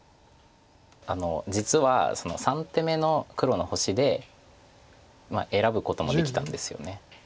実は３手目の黒の星で選ぶこともできたんですよね。